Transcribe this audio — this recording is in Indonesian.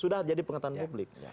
sudah jadi pengetahuan publik